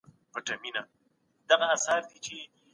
ایله خره ته سوه